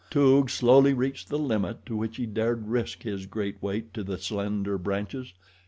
Toog slowly reached the limit to which he dared risk his great weight to the slender branches.